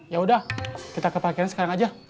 yaudah kita ke parkirnya sekarang aja